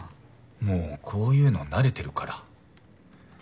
もうこういうの慣れてるから。